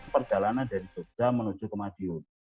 perjalanan dari jogja menuju ke madiun